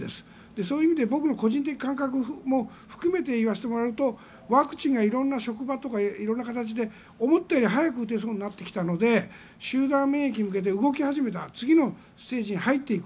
そういう意味で、僕の個人的な感覚も含めて言わせてもらうとワクチンが色んな職場とか色んな形で、思ったより早く打てそうになってきたので集団免疫に向けて動き始めた次のステージに入っていく。